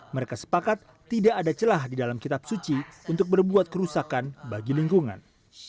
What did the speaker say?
mereka sepakat tidak ada celah di dalam kitab suci untuk berbuat kerusakan bagi lingkungan